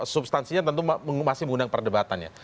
substansinya tentu masih mengundang perdebatannya